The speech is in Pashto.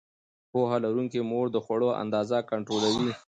پوهه لرونکې مور د خوړو اندازه کنټرولوي.